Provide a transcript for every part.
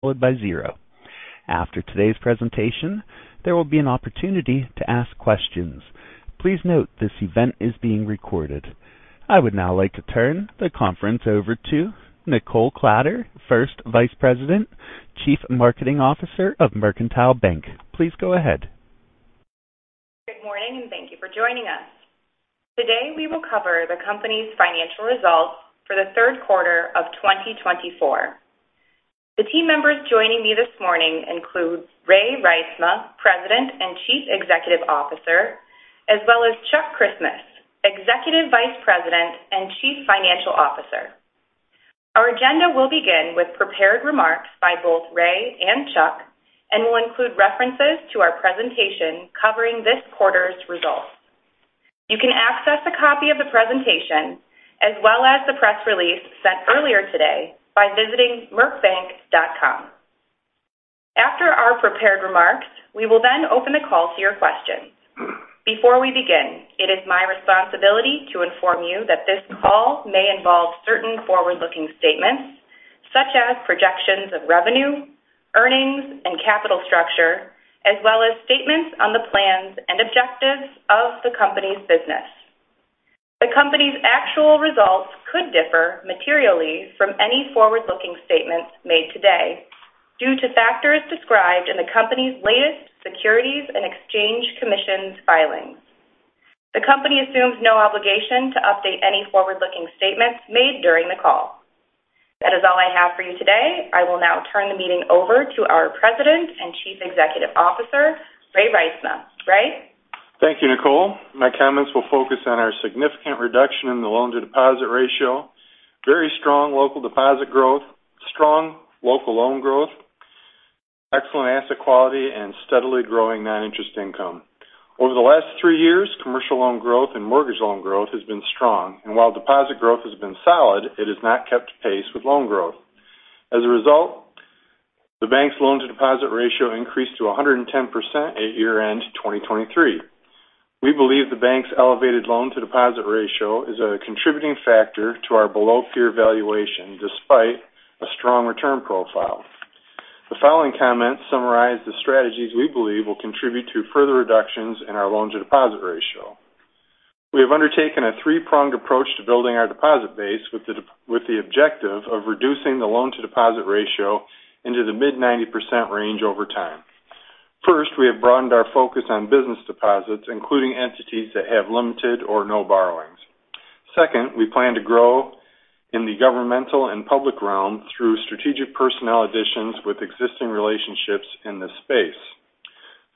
Followed by zero. After today's presentation, there will be an opportunity to ask questions. Please note, this event is being recorded. I would now like to turn the conference over to Nichole Kladder, First Vice President and Chief Marketing Officer of Mercantile Bank. Please go ahead. Good morning, and thank you for joining us. Today, we will cover the company's financial results for the third quarter of 2024. The team members joining me this morning include Ray Reitsma, President and Chief Executive Officer, as well as Chuck Christmas, Executive Vice President and Chief Financial Officer. Our agenda will begin with prepared remarks by both Ray and Chuck, and will include references to our presentation covering this quarter's results. You can access a copy of the presentation, as well as the press release sent earlier today, by visiting mercbank.com. After our prepared remarks, we will then open the call to your questions. Before we begin, it is my responsibility to inform you that this call may involve certain forward-looking statements, such as projections of revenue, earnings, and capital structure, as well as statements on the plans and objectives of the company's business. The company's actual results could differ materially from any forward-looking statements made today due to factors described in the company's latest Securities and Exchange Commission filings. The company assumes no obligation to update any forward-looking statements made during the call. That is all I have for you today. I will now turn the meeting over to our President and Chief Executive Officer, Ray Reitsma. Ray? Thank you, Nicole. My comments will focus on our significant reduction in the loan-to-deposit ratio, very strong local deposit growth, strong local loan growth, excellent asset quality, and steadily growing non-interest income. Over the last three years, commercial loan growth and mortgage loan growth has been strong, and while deposit growth has been solid, it has not kept pace with loan growth. As a result, the bank's loan-to-deposit ratio increased to 110% at year-end 2023. We believe the bank's elevated loan-to-deposit ratio is a contributing factor to our below-peer valuation, despite a strong return profile. The following comments summarize the strategies we believe will contribute to further reductions in our loan-to-deposit ratio. We have undertaken a three-pronged approach to building our deposit base with the objective of reducing the loan-to-deposit ratio into the mid-90% range over time. First, we have broadened our focus on business deposits, including entities that have limited or no borrowings. Second, we plan to grow in the governmental and public realm through strategic personnel additions with existing relationships in this space.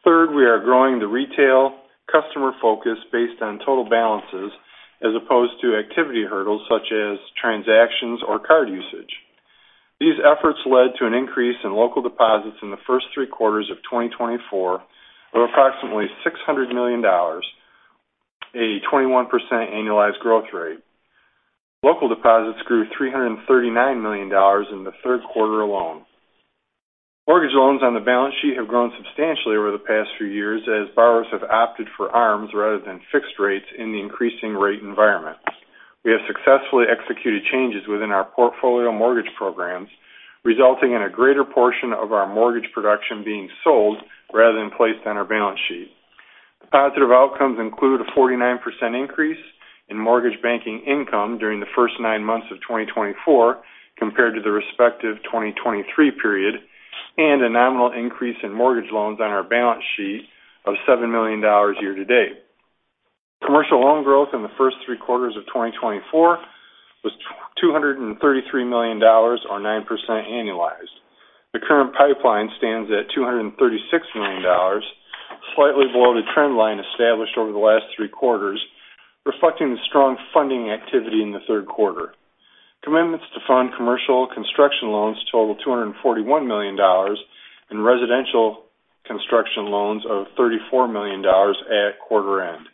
Third, we are growing the retail customer focus based on total balances as opposed to activity hurdles, such as transactions or card usage. These efforts led to an increase in local deposits in the first three quarters of 2024 of approximately $600 million, a 21% annualized growth rate. Local deposits grew $339 million in the third quarter alone. Mortgage loans on the balance sheet have grown substantially over the past few years, as borrowers have opted for ARMs rather than fixed rates in the increasing rate environment. We have successfully executed changes within our portfolio mortgage programs, resulting in a greater portion of our mortgage production being sold rather than placed on our balance sheet. Positive outcomes include a 49% increase in mortgage banking income during the first nine months of 2024, compared to the respective 2023 period, and a nominal increase in mortgage loans on our balance sheet of $7 million year-to-date. Commercial loan growth in the first three quarters of 2024 was $233 million, or 9% annualized. The current pipeline stands at $236 million, slightly below the trend line established over the last three quarters, reflecting the strong funding activity in the third quarter. Commitments to fund commercial construction loans total $241 million and residential construction loans of $34 million at quarter end.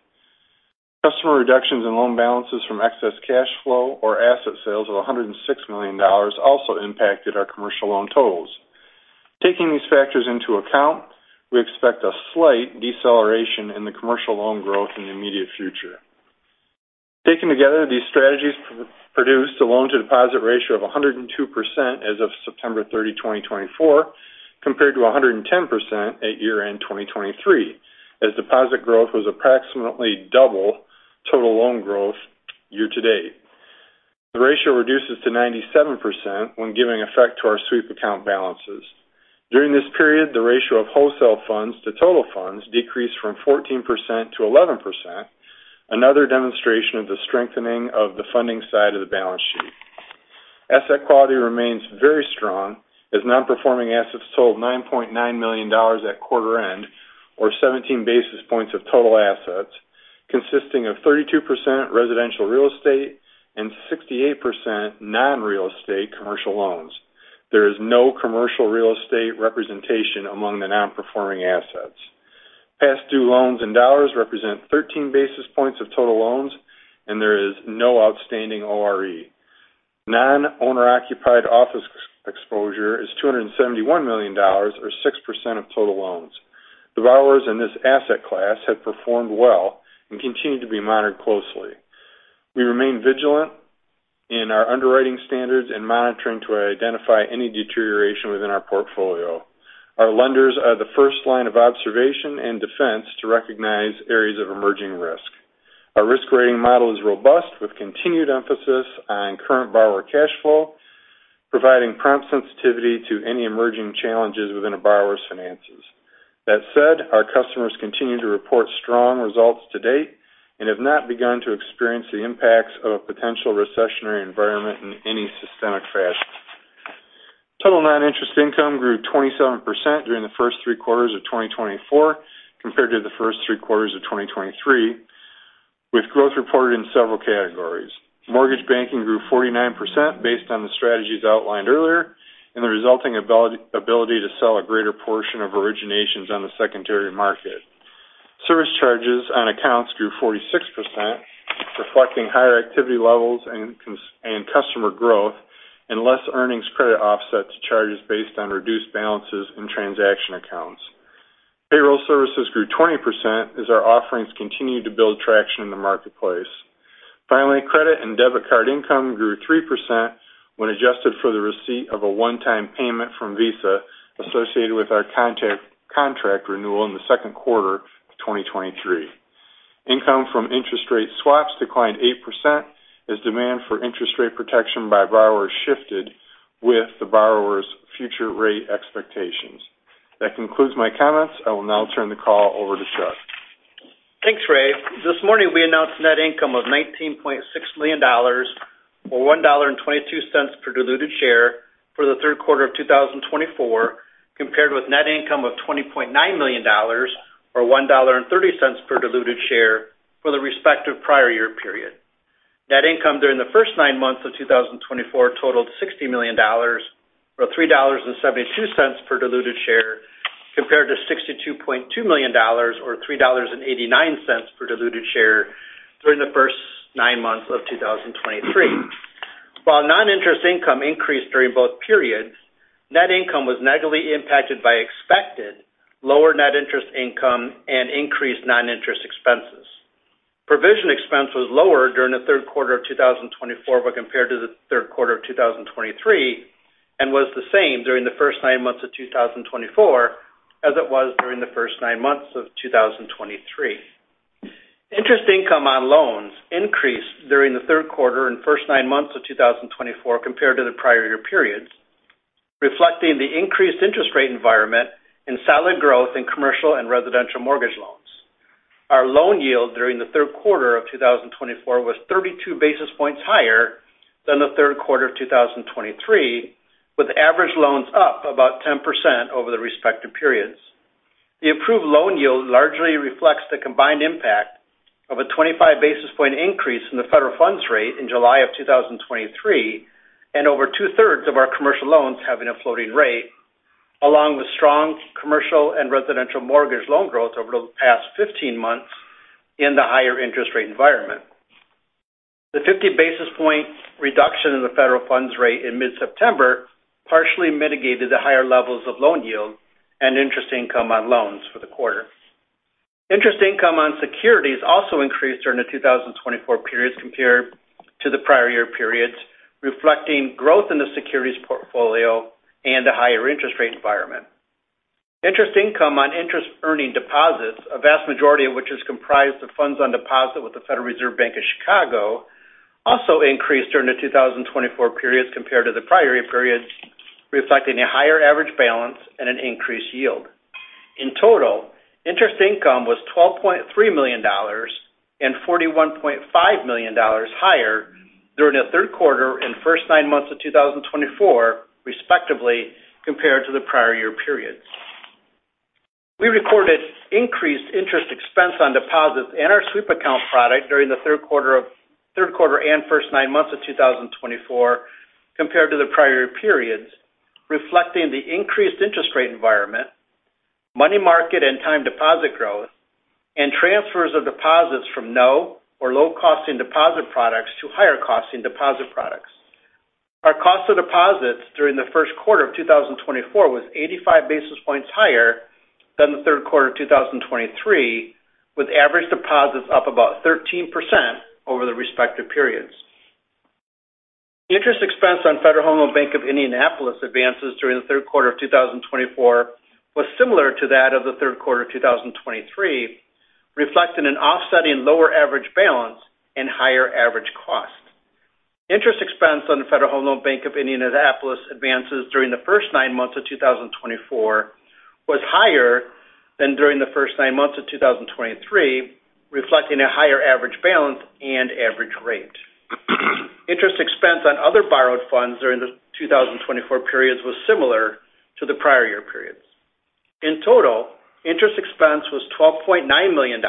Customer reductions in loan balances from excess cash flow or asset sales of $106 million also impacted our commercial loan totals. Taking these factors into account, we expect a slight deceleration in the commercial loan growth in the immediate future. Taken together, these strategies produced a loan-to-deposit ratio of 102% as of September 30, 2024, compared to 110% at year-end 2023, as deposit growth was approximately double total loan growth year-to-date. The ratio reduces to 97% when giving effect to our sweep account balances. During this period, the ratio of wholesale funds to total funds decreased from 14% to 11%, another demonstration of the strengthening of the funding side of the balance sheet. Asset quality remains very strong, as non-performing assets total $9.9 million at quarter end, or 17 basis points of total assets, consisting of 32% residential real estate and 68% non-real estate commercial loans. There is no commercial real estate representation among the non-performing assets. Past due loans in dollars represent 13 basis points of total loans, and there is no outstanding ORE. Non-owner occupied office exposure is $271 million, or 6% of total loans. The borrowers in this asset class have performed well and continue to be monitored closely. We remain vigilant in our underwriting standards and monitoring to identify any deterioration within our portfolio. Our lenders are the first line of observation and defense to recognize areas of emerging risk. Our risk rating model is robust, with continued emphasis on current borrower cash flow, providing prompt sensitivity to any emerging challenges within a borrower's finances. That said, our customers continue to report strong results to date and have not begun to experience the impacts of a potential recessionary environment in any systemic fashion. Total non-interest income grew 27% during the first three quarters of 2024 compared to the first three quarters of 2023, with growth reported in several categories. Mortgage banking grew 49% based on the strategies outlined earlier and the resulting ability to sell a greater portion of originations on the secondary market. Service charges on accounts grew 46%, reflecting higher activity levels and consistent and customer growth and less earnings credit offsets to charges based on reduced balances in transaction accounts. Payroll services grew 20% as our offerings continued to build traction in the marketplace. Finally, credit and debit card income grew 3% when adjusted for the receipt of a one-time payment from Visa associated with our contract renewal in the second quarter of 2023. Income from interest rate swaps declined 8% as demand for interest rate protection by borrowers shifted with the borrower's future rate expectations. That concludes my comments. I will now turn the call over to Chuck. Thanks, Ray. This morning, we announced net income of $19.6 million, or $1.22 per diluted share for the third quarter of 2024, compared with net income of $20.9 million, or $1.30 per diluted share for the respective prior year period. Net income during the first nine months of 2024 totaled $60 million, or $3.72 per diluted share, compared to $62.2 million or $3.89 per diluted share during the first nine months of 2023. While non-interest income increased during both periods, net income was negatively impacted by expected lower net interest income and increased non-interest expenses. Provision expense was lower during the third quarter of 2024 when compared to the third quarter of 2023, and was the same during the first nine months of 2024 as it was during the first nine months of 2023. Interest income on loans increased during the third quarter and first nine months of 2024 compared to the prior year periods, reflecting the increased interest rate environment and solid growth in commercial and residential mortgage loans. Our loan yield during the third quarter of 2024 was 32 basis points higher than the third quarter of 2023, with average loans up about 10% over the respective periods. The improved loan yield largely reflects the combined impact of a 25 basis point increase in the federal funds rate in July of 2023, and over two-thirds of our commercial loans having a floating rate, along with strong commercial and residential mortgage loan growth over the past 15 months in the higher interest rate environment. The 50 basis point reduction in the federal funds rate in mid-September partially mitigated the higher levels of loan yield and interest income on loans for the quarter. Interest income on securities also increased during the 2024 periods compared to the prior year periods, reflecting growth in the securities portfolio and a higher interest rate environment. Interest income on interest-earning deposits, a vast majority of which is comprised of funds on deposit with the Federal Reserve Bank of Chicago, also increased during the 2024 periods compared to the prior year periods, reflecting a higher average balance and an increased yield. In total, interest income was $12.3 million and $41.5 million higher during the third quarter and first nine months of 2024, respectively, compared to the prior year periods. We recorded increased interest expense on deposits and our sweep account product during the third quarter and first nine months of 2024, compared to the prior periods, reflecting the increased interest rate environment, money market and time deposit growth, and transfers of deposits from no or low-cost deposit products to higher-cost deposit products. Our cost of deposits during the first quarter of 2024 was 85 basis points higher than the third quarter of 2023, with average deposits up about 13% over the respective periods. Interest expense on Federal Home Loan Bank of Indianapolis advances during the third quarter of 2024 was similar to that of the third quarter of 2023, reflecting an offsetting lower average balance and higher average cost. Interest expense on the Federal Home Loan Bank of Indianapolis advances during the first nine months of 2024 was higher than during the first nine months of 2023, reflecting a higher average balance and average rate. Interest expense on other borrowed funds during the 2024 periods was similar to the prior year periods. In total, interest expense was $12.9 million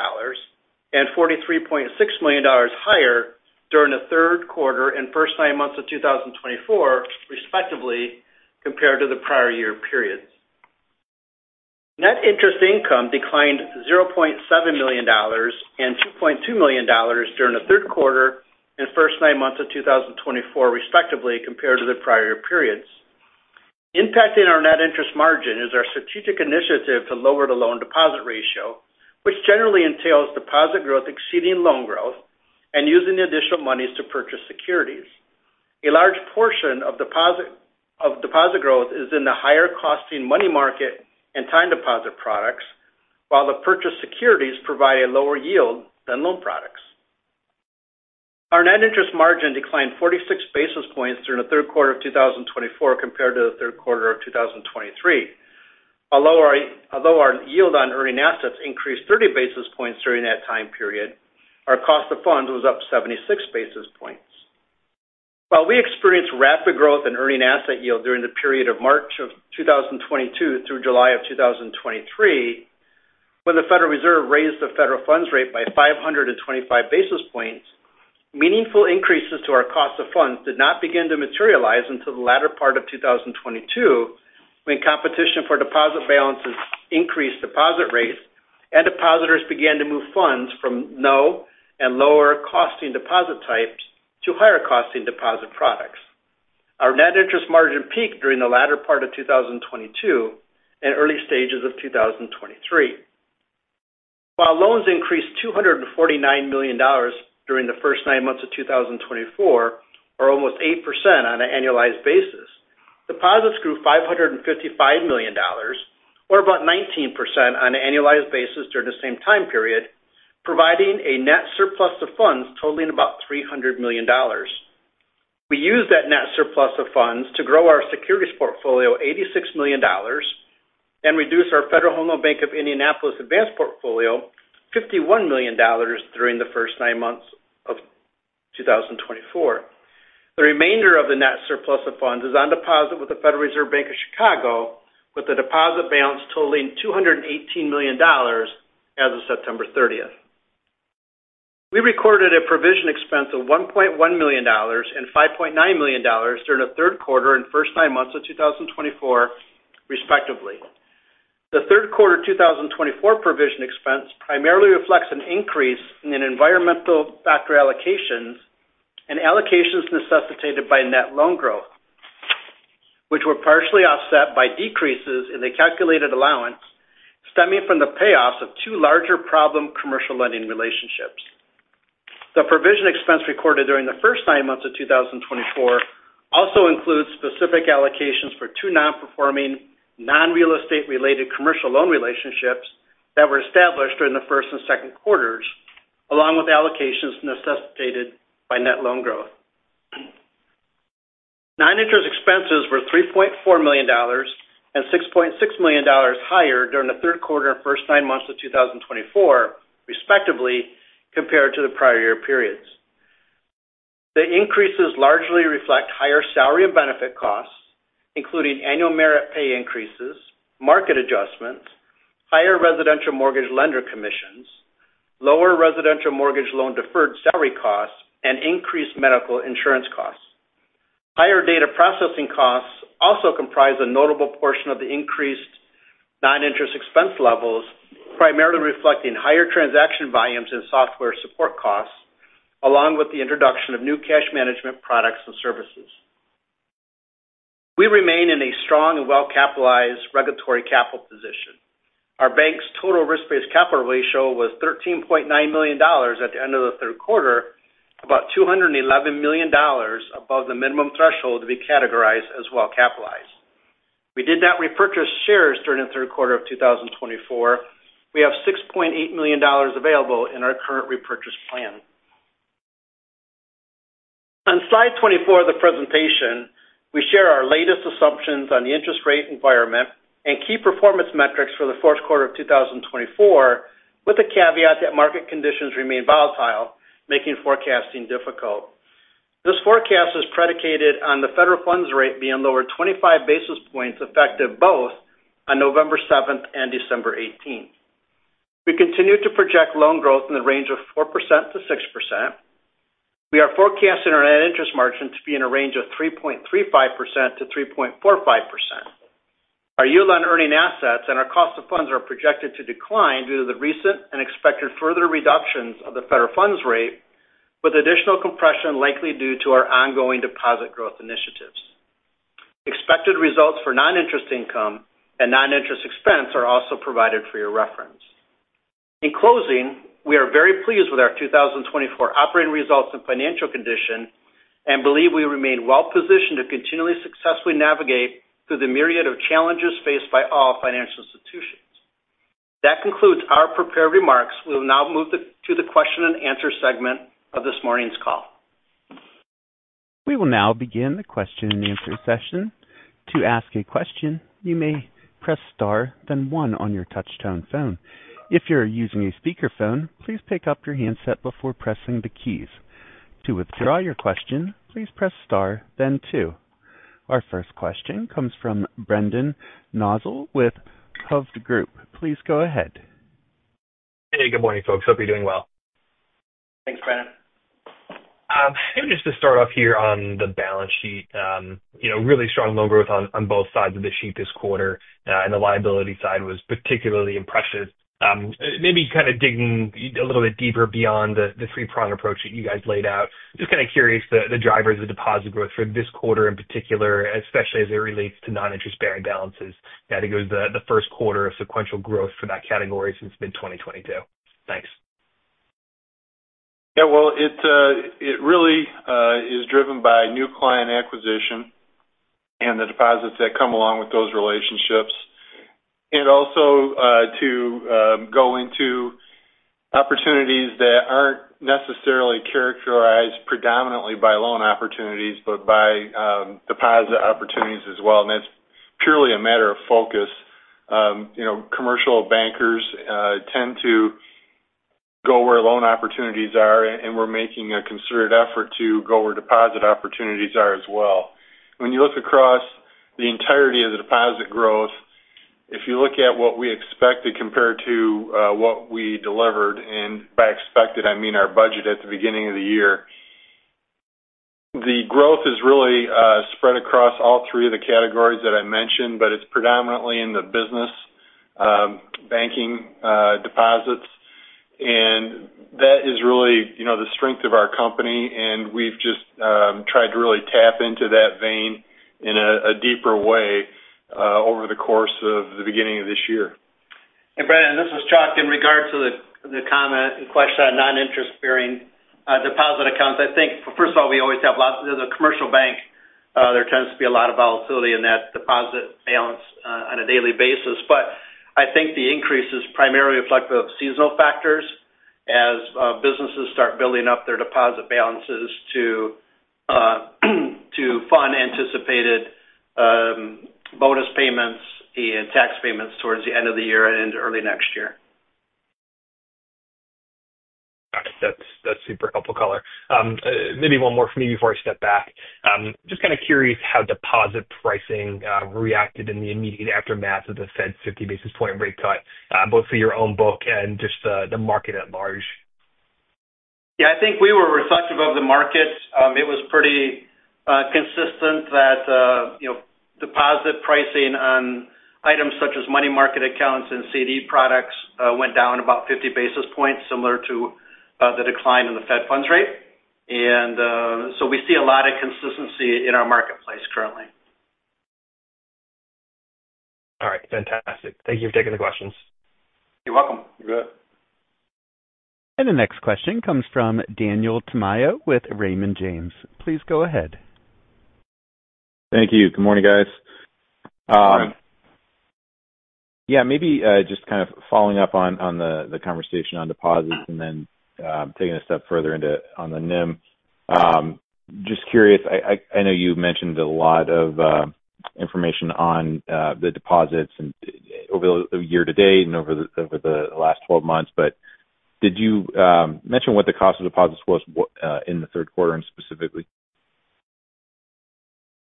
and $43.6 million higher during the third quarter and first nine months of 2024, respectively, compared to the prior year periods. Net interest income declined $0.7 million and $2.2 million during the third quarter and first nine months of 2024, respectively, compared to the prior periods. Impacting our net interest margin is our strategic initiative to lower the loan-to-deposit ratio, which generally entails deposit growth exceeding loan growth and using the additional monies to purchase securities. A large portion of deposit growth is in the higher costing money market and time deposit products, while the purchased securities provide a lower yield than loan products. Our net interest margin declined 46 basis points during the third quarter of 2024 compared to the third quarter of 2023. Although our yield on earning assets increased 30 basis points during that time period, our cost of funds was up 76 basis points. While we experienced rapid growth in earning asset yield during the period of March of 2022 through July of 2023, when the Federal Reserve raised the federal funds rate by 525 basis points, meaningful increases to our cost of funds did not begin to materialize until the latter part of 2022, when competition for deposit balances increased deposit rates and depositors began to move funds from no and lower costing deposit types to higher costing deposit products. Our net interest margin peaked during the latter part of 2022 and early stages of 2023. While loans increased $249 million during the first nine months of 2024, or almost 8% on an annualized basis, deposits grew $555 million, or about 19% on an annualized basis during the same time period, providing a net surplus of funds totaling about $300 million. We used that net surplus of funds to grow our securities portfolio $86 million and reduce our Federal Home Loan Bank of Indianapolis advances portfolio $51 million during the first nine months of 2024. The remainder of the net surplus of funds is on deposit with the Federal Reserve Bank of Chicago, with the deposit balance totaling $218 million as of September 30th. We recorded a provision expense of $1.1 million and $5.9 million during the third quarter and first nine months of 2024, respectively. The third quarter 2024 provision expense primarily reflects an increase in environmental factor allocations and allocations necessitated by net loan growth, which were partially offset by decreases in the calculated allowance stemming from the payoffs of two larger problem commercial lending relationships. The provision expense recorded during the first nine months of 2024 also includes specific allocations for two non-performing, non-real estate related commercial loan relationships that were established during the first and second quarters, along with allocations necessitated by net loan growth. Non-interest expenses were $3.4 million and $6.6 million higher during the third quarter and first nine months of 2024, respectively, compared to the prior year periods. The increases largely reflect higher salary and benefit costs, including annual merit pay increases, market adjustments, higher residential mortgage lender commissions, lower residential mortgage loan deferred salary costs, and increased medical insurance costs. Higher data processing costs also comprise a notable portion of the increased non-interest expense levels, primarily reflecting higher transaction volumes and software support costs, along with the introduction of new cash management products and services. We remain in a strong and well-capitalized regulatory capital position. Our bank's total risk-based capital ratio was 13.9% at the end of the third quarter, about $211 million above the minimum threshold to be categorized as well-capitalized. We did not repurchase shares during the third quarter of 2024. We have $6.8 million available in our current repurchase plan. On Slide 24 of the presentation, we share our latest assumptions on the interest rate environment and key performance metrics for the fourth quarter of 2024, with the caveat that market conditions remain volatile, making forecasting difficult. This forecast is predicated on the federal funds rate being lowered 25 basis points, effective both on November 7th and December 18th. We continue to project loan growth in the range of 4%-6%. We are forecasting our net interest margin to be in a range of 3.35%-3.45%. Our yield on earning assets and our cost of funds are projected to decline due to the recent and expected further reductions of the federal funds rate, with additional compression likely due to our ongoing deposit growth initiatives. Expected results for non-interest income and non-interest expense are also provided for your reference. In closing, we are very pleased with our 2024 operating results and financial condition and believe we remain well positioned to continually successfully navigate through the myriad of challenges faced by all financial institutions. That concludes our prepared remarks. We will now move to the question and answer segment of this morning's call. We will now begin the question and answer session. To ask a question, you may press star, then one on your touchtone phone. If you're using a speakerphone, please pick up your handset before pressing the keys. To withdraw your question, please press star then two. Our first question comes from Brendan Nosal with Hovde Group. Please go ahead. Hey, good morning, folks. Hope you're doing well. Thanks, Brendan. Maybe just to start off here on the balance sheet. You know, really strong loan growth on both sides of the sheet this quarter, and the liability side was particularly impressive. Maybe kind of digging a little bit deeper beyond the three-prong approach that you guys laid out. Just kind of curious the drivers of deposit growth for this quarter, in particular, especially as it relates to non-interest-bearing balances. I think it was the first quarter of sequential growth for that category since mid-2022. Thanks. Yeah, well, it really is driven by new client acquisition and the deposits that come along with those relationships. Also, to go into opportunities that aren't necessarily characterized predominantly by loan opportunities, but by deposit opportunities as well, and that's purely a matter of focus. You know, commercial bankers tend to go where loan opportunities are, and we're making a concerted effort to go where deposit opportunities are as well. When you look across the entirety of the deposit growth, if you look at what we expected compared to what we delivered, and by expected, I mean, our budget at the beginning of the year, the growth is really spread across all three of the categories that I mentioned, but it's predominantly in the business banking deposits. That is really, you know, the strength of our company, and we've just tried to really tap into that vein in a deeper way, over the course of the beginning of this year. Brendan, this is Chuck. In regards to the comment and question on non-interest-bearing deposit accounts, I think, first of all, we always have lots as a commercial bank, there tends to be a lot of volatility in that deposit balance on a daily basis. But I think the increase is primarily reflective of seasonal factors as businesses start building up their deposit balances to fund anticipated bonus payments and tax payments towards the end of the year and into early next year. Got it. That's super helpful color. Maybe one more from me before I step back. Just kind of curious how deposit pricing reacted in the immediate aftermath of the Fed's 50 basis point rate cut, both for your own book and just the market at large? Yeah, I think we were reflective of the market. It was pretty consistent that, you know, deposit pricing on items such as money market accounts and CD products went down about 50 basis points, similar to the decline in the Fed funds rate. And so we see a lot of consistency in our marketplace currently. All right. Fantastic. Thank you for taking the questions. You're welcome. You bet. And the next question comes from Daniel Tamayo with Raymond James. Please go ahead. Thank you. Good morning, guys. Good morning. Yeah, maybe just kind of following up on the conversation on deposits and then taking a step further into the NIM. Just curious, I know you've mentioned a lot of information on the deposits and over the year-to-date and over the last 12 months, but did you mention what the cost of deposits was in the third quarter, and specifically?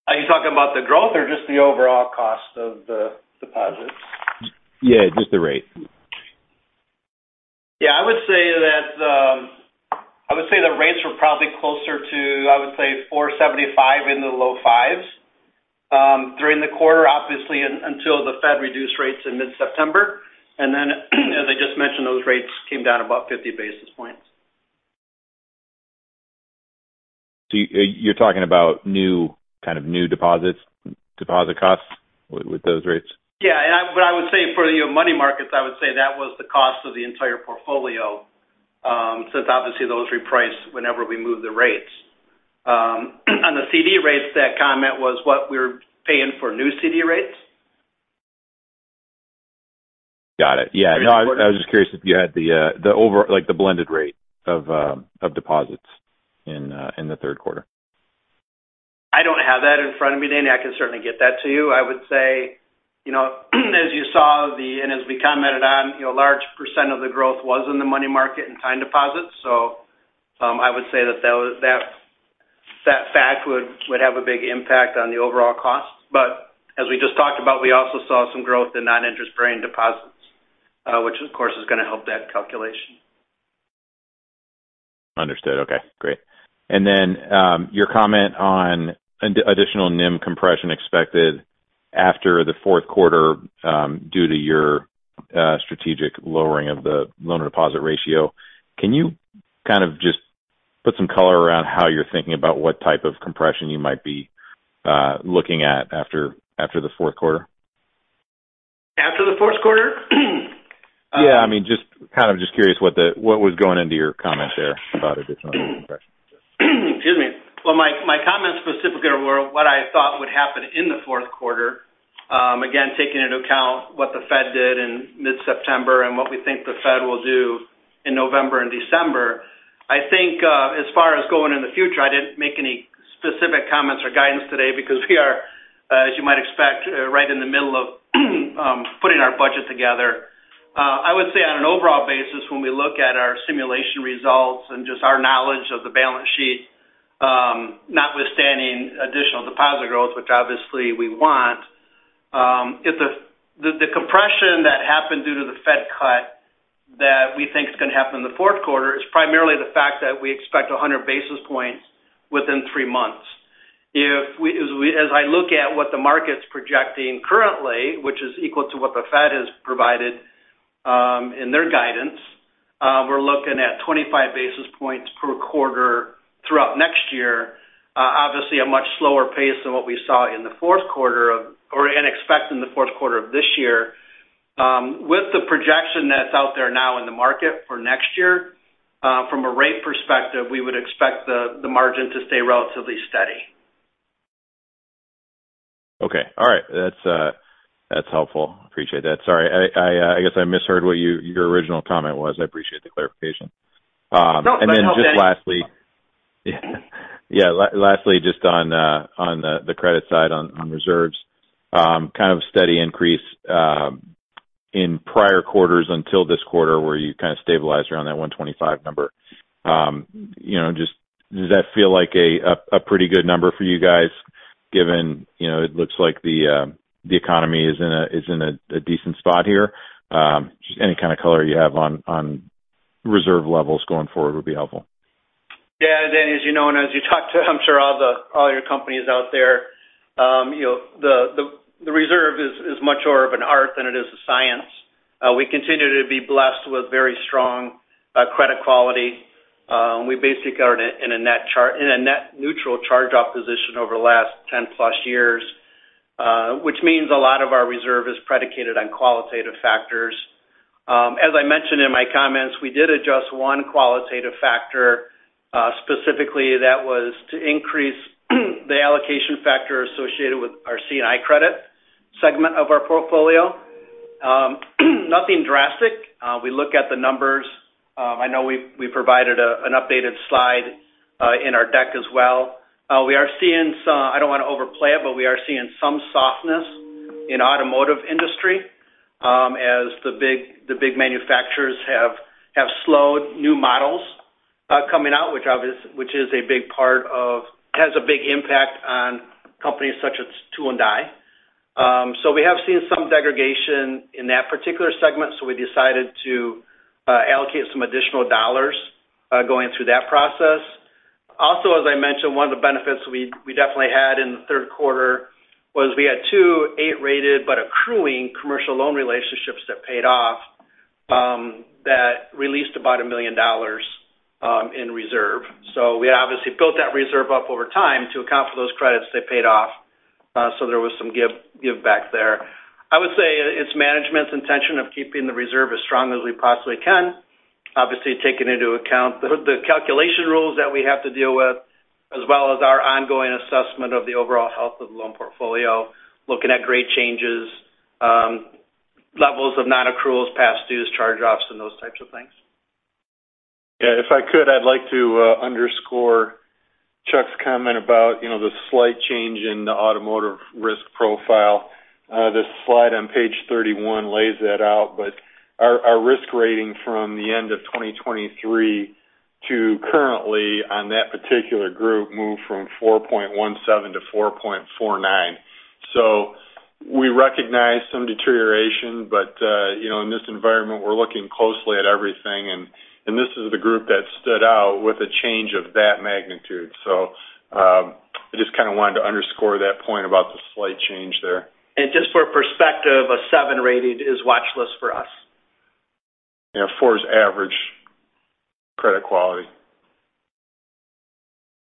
Are you talking about the growth or just the overall cost of the deposits? Yeah, just the rate. Yeah, I would say that I would say the rates were probably closer to, I would say, 4.75 in the low 5s. During the quarter, obviously, until the Fed reduced rates in mid-September, and then, as I just mentioned, those rates came down about 50 basis points. So you're talking about new kind of deposits, deposit costs with those rates? Yeah, and but I would say for, you know, money markets, I would say that was the cost of the entire portfolio, since obviously those reprice whenever we move the rates. On the CD rates, that comment was what we were paying for new CD rates. Got it. Yeah. No, I was just curious if you had the, like, the blended rate of deposits in the third quarter. I don't have that in front of me, Danny. I can certainly get that to you. I would say, you know, as you saw and as we commented on, you know, a large percent of the growth was in the money market and time deposits. So, I would say that that fact would have a big impact on the overall cost. But as we just talked about, we also saw some growth in non-interest-bearing deposits, which of course is going to help that calculation. Understood. Okay, great. And then, your comment on additional NIM compression expected after the fourth quarter, due to your strategic lowering of the loan-to-deposit ratio, can you kind of just put some color around how you're thinking about what type of compression you might be looking at after the fourth quarter? After the fourth quarter? Yeah, I mean, just kind of curious what was going into your comment there about additional compression? Excuse me. Well, my comments specifically were what I thought would happen in the fourth quarter. Again, taking into account what the Fed did in mid-September and what we think the Fed will do in November and December. I think, as far as going in the future, I didn't make any specific comments or guidance today because we are, as you might expect, right in the middle of putting our budget together. I would say on an overall basis, when we look at our simulation results and just our knowledge of the balance sheet, additional deposit growth, which obviously we want. If the compression that happened due to the Fed cut that we think is going to happen in the fourth quarter is primarily the fact that we expect 100 basis points within three months. As I look at what the market's projecting currently, which is equal to what the Fed has provided in their guidance, we're looking at 25 basis points per quarter throughout next year. Obviously, a much slower pace than what we saw in the fourth quarter and expect in the fourth quarter of this year. With the projection that's out there now in the market for next year, from a rate perspective, we would expect the margin to stay relatively steady. Okay. All right. That's, that's helpful. Appreciate that. Sorry, I guess I misheard what your original comment was. I appreciate the clarification. And then just lastly- No, by all means. Yeah, yeah. Lastly, just on the credit side, on reserves. Kind of a steady increase in prior quarters until this quarter, where you kind of stabilized around that 125 number. You know, just does that feel like a pretty good number for you guys, given, you know, it looks like the economy is in a decent spot here? Just any kind of color you have on reserve levels going forward would be helpful. Yeah, and as you know, and as you talk to, I'm sure all the, all your companies out there, you know, the reserve is, is much more of an art than it is a science. We continue to be blessed with very strong credit quality. We basically are in a net neutral charge-off position over the last 10+ years, which means a lot of our reserve is predicated on qualitative factors. As I mentioned in my comments, we did adjust one qualitative factor, specifically that was to increase the allocation factor associated with our C&I credit segment of our portfolio. Nothing drastic. We look at the numbers. I know we provided an updated slide in our deck as well. We are seeing some. I don't wanna overplay it, but we are seeing some softness in automotive industry as the big manufacturers have slowed new models coming out, which is a big part of has a big impact on companies such as tool and die. So we have seen some degradation in that particular segment, so we decided to allocate some additional dollars going through that process. Also, as I mentioned, one of the benefits we definitely had in the third quarter was we had two eight-rated, but accruing commercial loan relationships that paid off that released about $1 million in reserve. So we obviously built that reserve up over time to account for those credits they paid off, so there was some give back there. I would say it's management's intention of keeping the reserve as strong as we possibly can, obviously, taking into account the calculation rules that we have to deal with, as well as our ongoing assessment of the overall health of the loan portfolio, looking at grade changes, levels of non-accruals, past dues, charge-offs, and those types of things. Yeah, if I could, I'd like to underscore Chuck's comment about, you know, the slight change in the automotive risk profile. This slide on Page 31 lays that out, but our risk rating from the end of 2023 to currently on that particular group moved from 4.17 to 4.49. So we recognize some deterioration, but, you know, in this environment, we're looking closely at everything, and this is the group that stood out with a change of that magnitude. So, I just kind of wanted to underscore that point about the slight change there. Just for perspective, a seven rating is watchlist for us. Yeah, four is average credit quality.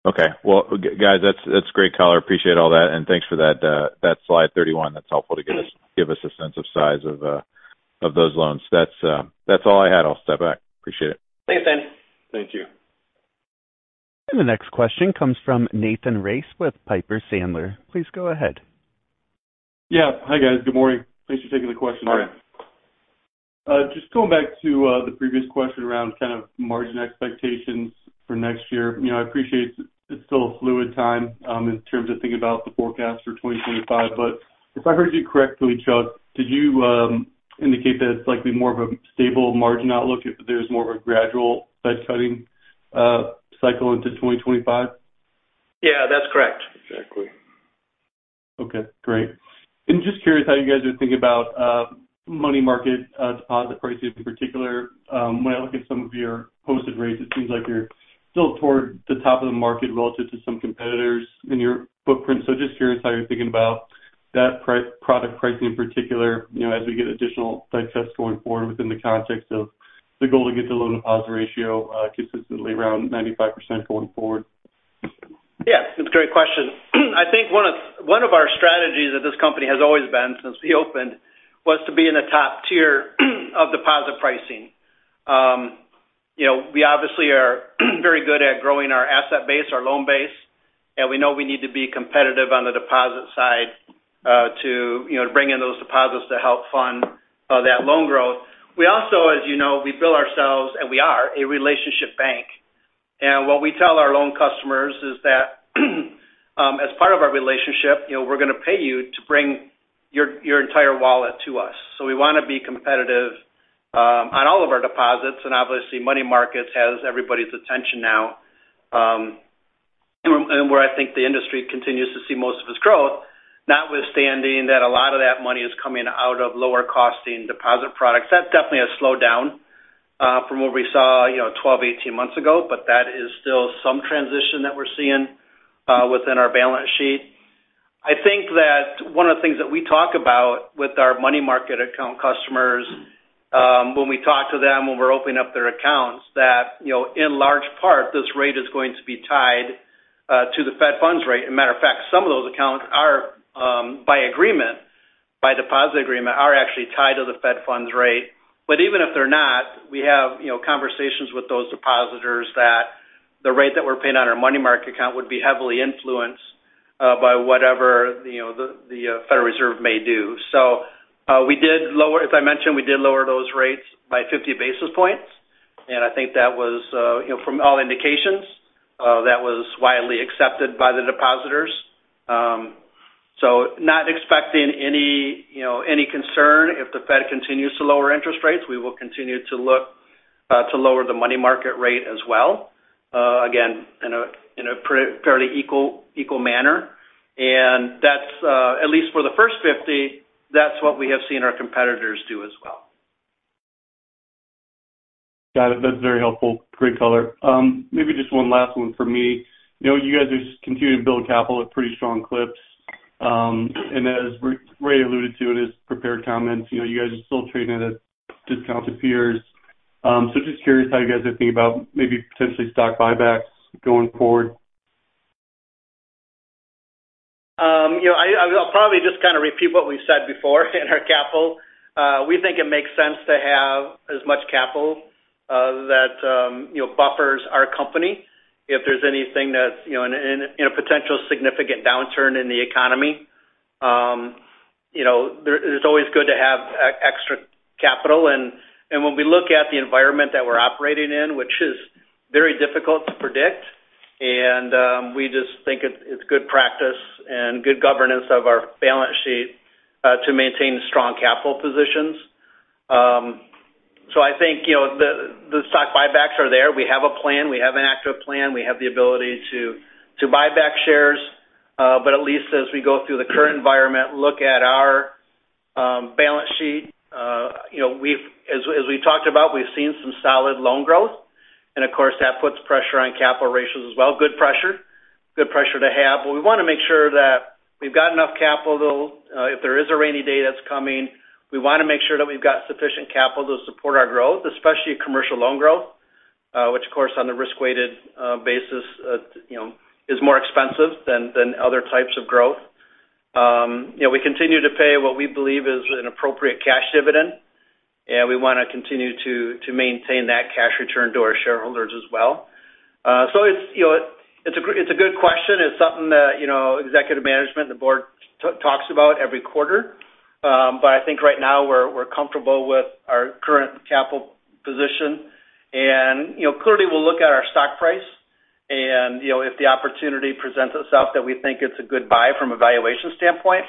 Okay. Well, guys, that's great color. Appreciate all that, and thanks for that Slide 31. That's helpful to give us a sense of size of those loans. That's all I had. I'll step back. Appreciate it. Thanks, Dan. Thank you. The next question comes from Nathan Race with Piper Sandler. Please go ahead. Yeah. Hi, guys. Good morning. Thanks for taking the question. Hi. Just going back to the previous question around kind of margin expectations for next year. You know, I appreciate it's still a fluid time in terms of thinking about the forecast for 2025, but if I heard you correctly, Chuck, did you indicate that it's likely more of a stable margin outlook, if there's more of a gradual Fed rate cutting cycle into 2025? Yeah, that's correct. Exactly. Okay, great. And just curious how you guys are thinking about money market deposit prices in particular. When I look at some of your posted rates, it seems like you're still toward the top of the market relative to some competitors in your footprint. So just curious how you're thinking about that product pricing in particular, you know, as we get additional digest going forward within the context of the goal to get the loan-to-deposit ratio consistently around 95% going forward? Yeah, it's a great question. I think one of our strategies at this company has always been, since we opened, was to be in the top tier of deposit pricing. You know, we obviously are very good at growing our asset base, our loan base, and we know we need to be competitive on the deposit side, to, you know, bring in those deposits to help fund that loan growth. We also, as you know, we bill ourselves, and we are, a relationship bank. And what we tell our loan customers is that, as part of our relationship, you know, we're gonna pay you to bring your, your entire wallet to us, so we wanna be competitive... On all of our deposits, and obviously, money markets has everybody's attention now, and where I think the industry continues to see most of its growth, notwithstanding that a lot of that money is coming out of lower-costing deposit products. That definitely has slowed down, from what we saw, you know, 12, 18 months ago, but that is still some transition that we're seeing within our balance sheet. I think that one of the things that we talk about with our money market account customers, when we talk to them, when we're opening up their accounts, that, you know, in large part, this rate is going to be tied to the Fed funds rate. As a matter of fact, some of those accounts are, by agreement, by deposit agreement, are actually tied to the Fed funds rate. But even if they're not, we have, you know, conversations with those depositors that the rate that we're paying on our money market account would be heavily influenced by whatever, you know, the Federal Reserve may do. So, we did lower, as I mentioned, we did lower those rates by 50 basis points, and I think that was, you know, from all indications, that was widely accepted by the depositors, so not expecting any, you know, concern. If the Fed continues to lower interest rates, we will continue to look to lower the money market rate as well, again, in a fairly equal manner, and that's, at least for the first 50, that's what we have seen our competitors do as well. Got it. That's very helpful. Great color. Maybe just one last one for me. You know, you guys are continuing to build capital at pretty strong clips, and as Ray alluded to in his prepared comments, you know, you guys are still trading at a discount to peers, so just curious how you guys are thinking about maybe potentially stock buybacks going forward? You know, I'll probably just kind of repeat what we've said before in our calls. We think it makes sense to have as much capital that you know, buffers our company. If there's anything that's you know, in a potential significant downturn in the economy, you know, it's always good to have extra capital. And when we look at the environment that we're operating in, which is very difficult to predict, and we just think it's good practice and good governance of our balance sheet to maintain strong capital positions. So I think you know, the stock buybacks are there. We have a plan. We have an active plan. We have the ability to buy back shares, but at least as we go through the current environment, look at our balance sheet, you know, we've, as we talked about, we've seen some solid loan growth, and of course, that puts pressure on capital ratios as well. Good pressure. Good pressure to have, but we want to make sure that we've got enough capital, if there is a rainy day that's coming, we want to make sure that we've got sufficient capital to support our growth, especially commercial loan growth, which, of course, on the risk-weighted basis, you know, is more expensive than other types of growth. You know, we continue to pay what we believe is an appropriate cash dividend, and we want to continue to maintain that cash return to our shareholders as well. So it's, you know, it's a good question. It's something that, you know, executive management and the board talks about every quarter, but I think right now, we're comfortable with our current capital position and, you know, clearly, we'll look at our stock price and, you know, if the opportunity presents itself that we think it's a good buy from a valuation standpoint,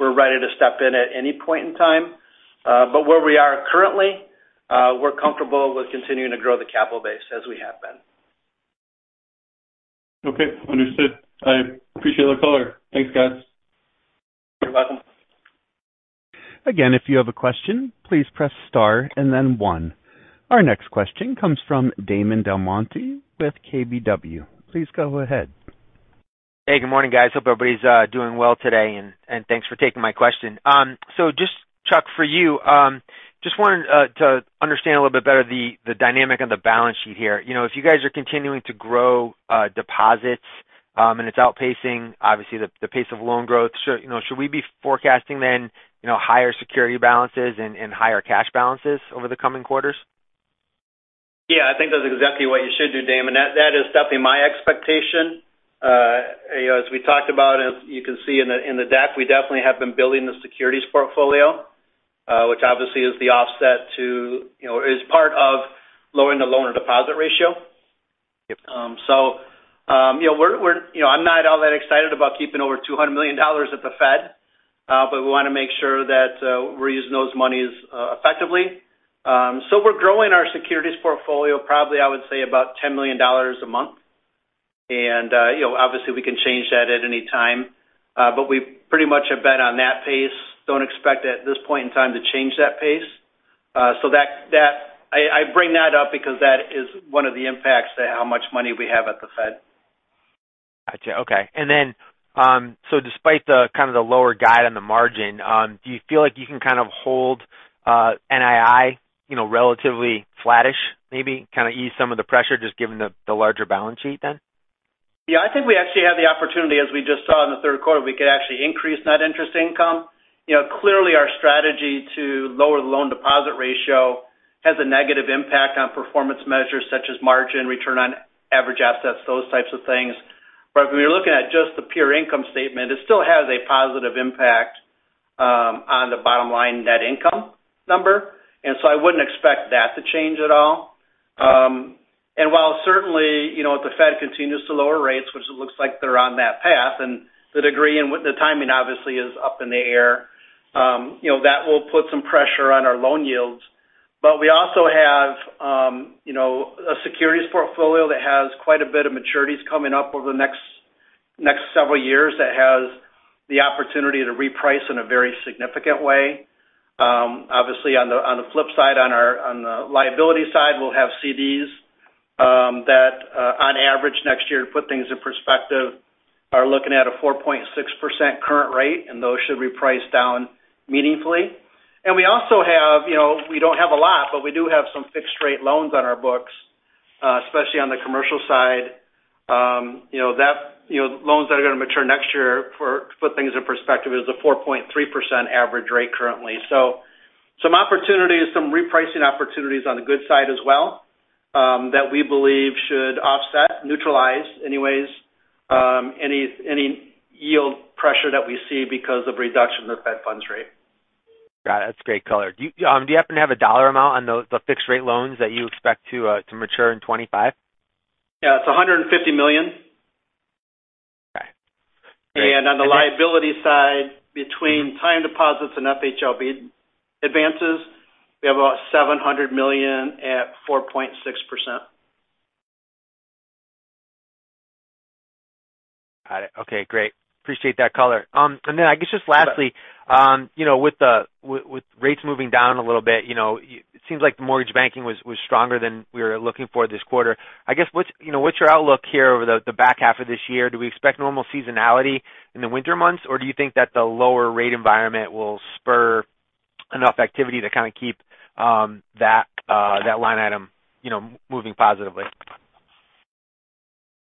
we're ready to step in at any point in time, but where we are currently, we're comfortable with continuing to grow the capital base as we have been. Okay, understood. I appreciate the color. Thanks, guys. You're welcome. Again, if you have a question, please press star and then one. Our next question comes from Damon DelMonte with KBW. Please go ahead. Hey, good morning, guys. Hope everybody's doing well today, and thanks for taking my question. So just, Chuck, for you, just wanted to understand a little bit better the dynamic on the balance sheet here. You know, if you guys are continuing to grow deposits, and it's outpacing, obviously, the pace of loan growth, should we be forecasting then, you know, higher security balances and higher cash balances over the coming quarters? Yeah, I think that's exactly what you should do, Damon, and that is definitely my expectation. You know, as we talked about, and you can see in the deck, we definitely have been building the securities portfolio, which obviously is the offset to, you know, is part of lowering the loan-to-deposit ratio. Yep. You know, we're you know, I'm not all that excited about keeping over $200 million at the Fed, but we want to make sure that we're using those monies effectively. So we're growing our securities portfolio, probably, I would say, about $10 million a month. And, you know, obviously, we can change that at any time, but we pretty much have been on that pace. Don't expect at this point in time to change that pace. So that I bring that up because that is one of the impacts to how much money we have at the Fed. Gotcha. Okay. And then, so despite the kind of lower guide on the margin, do you feel like you can kind of hold NII, you know, relatively flattish, maybe? Kind of ease some of the pressure, just given the larger balance sheet, then? Yeah, I think we actually have the opportunity, as we just saw in the third quarter, we could actually increase net interest income. You know, clearly, our strategy to lower the loan-to-deposit ratio has a negative impact on performance measures such as margin, return on average assets, those types of things. But when you're looking at just the pure income statement, it still has a positive impact on the bottom line net income number, and so I wouldn't expect that to change at all. You know, if the Fed continues to lower rates, which it looks like they're on that path, and the degree and with the timing obviously is up in the air, you know, that will put some pressure on our loan yields. But we also have, you know, a securities portfolio that has quite a bit of maturities coming up over the next several years that has the opportunity to reprice in a very significant way. Obviously, on the flip side, on our liability side, we'll have CDs that on average, next year, to put things in perspective, are looking at a 4.6% current rate, and those should reprice down meaningfully. And we also have, you know, we don't have a lot, but we do have some fixed-rate loans on our books, especially on the commercial side. You know, loans that are gonna mature next year, to put things in perspective, is a 4.3% average rate currently. Some opportunities, some repricing opportunities on the good side as well, that we believe should offset, neutralize anyways, any yield pressure that we see because of reduction of Fed funds rate. Got it. That's great color. Do you happen to have a dollar amount on the fixed-rate loans that you expect to mature in 2025? Yeah, it's $150 million. Okay, great. On the liability side, between time deposits and FHLB advances, we have about $700 million at 4.6%. Got it. Okay, great. Appreciate that color. And then I guess just lastly, you know, with rates moving down a little bit, you know, it seems like the mortgage banking was stronger than we were looking for this quarter. I guess, what's your outlook here over the back half of this year? Do we expect normal seasonality in the winter months, or do you think that the lower rate environment will spur enough activity to kind of keep that line item, you know, moving positively? Yeah,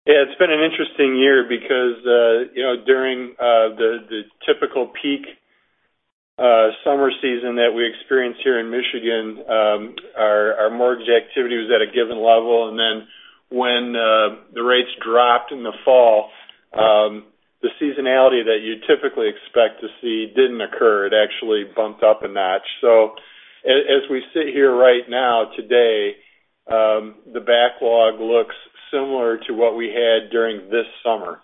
it's been an interesting year because, you know, during the typical peak summer season that we experience here in Michigan, our mortgage activity was at a given level, and then when the rates dropped in the fall, the seasonality that you'd typically expect to see didn't occur. It actually bumped up a notch. So as we sit here right now, today, the backlog looks similar to what we had during this summer.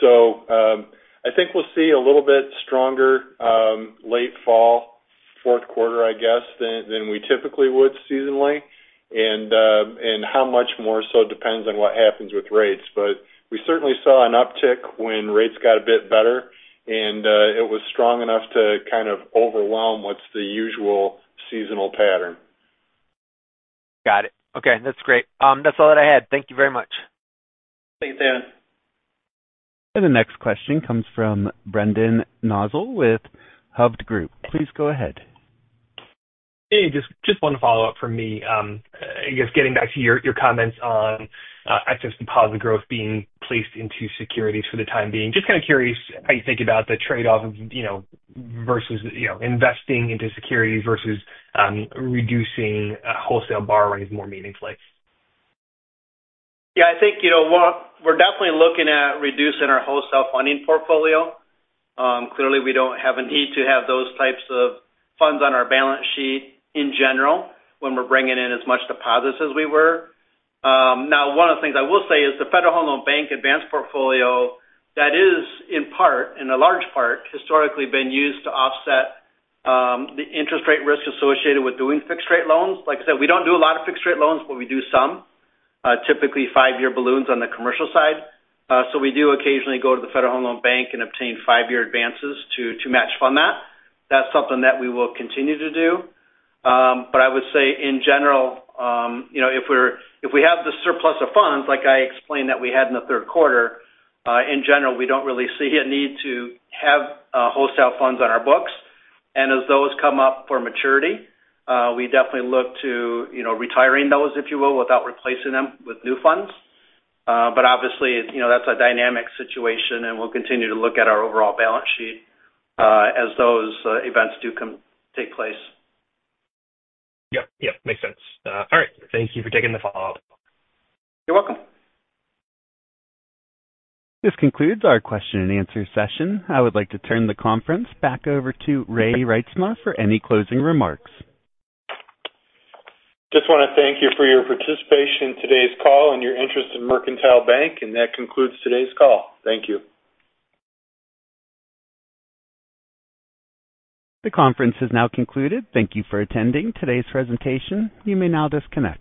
So, I think we'll see a little bit stronger late fall, fourth quarter, I guess, than we typically would seasonally. And how much more so depends on what happens with rates. But we certainly saw an uptick when rates got a bit better, and it was strong enough to kind of overwhelm what's the usual seasonal pattern. Got it. Okay, that's great. That's all that I had. Thank you very much. Thanks, Damon. And the next question comes from Brendan Nosal with Hovde Group. Please go ahead. Hey, just one follow-up from me. I guess, getting back to your comments on excess deposit growth being placed into securities for the time being. Just kind of curious how you think about the trade-off of, you know, versus, you know, investing into securities versus reducing wholesale borrowing more meaningfully. Yeah, I think, you know, we're definitely looking at reducing our wholesale funding portfolio. Clearly, we don't have a need to have those types of funds on our balance sheet in general, when we're bringing in as much deposits as we were. Now, one of the things I will say is the Federal Home Loan Bank advance portfolio, that is, in part, in a large part, historically been used to offset the interest rate risk associated with doing fixed-rate loans. Like I said, we don't do a lot of fixed-rate loans, but we do some, typically five-year balloons on the commercial side. So we do occasionally go to the Federal Home Loan Bank and obtain five-year advances to match fund that. That's something that we will continue to do. But I would say in general, you know, if we have the surplus of funds, like I explained that we had in the third quarter, in general, we don't really see a need to have wholesale funds on our books. And as those come up for maturity, we definitely look to, you know, retiring those, if you will, without replacing them with new funds. But obviously, you know, that's a dynamic situation, and we'll continue to look at our overall balance sheet, as those events do come take place. Yep, yep, makes sense. All right. Thank you for taking the follow-up. You're welcome. This concludes our question and answer session. I would like to turn the conference back over to Ray Reitsma for any closing remarks. Just want to thank you for your participation in today's call and your interest in Mercantile Bank, and that concludes today's call. Thank you. The conference is now concluded. Thank you for attending today's presentation. You may now disconnect.